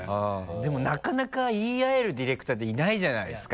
でもなかなか言い合えるディレクターっていないじゃないですか。